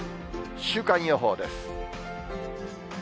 週間予報です。